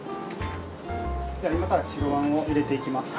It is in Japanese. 今から白あんを入れていきます。